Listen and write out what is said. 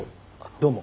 どうも。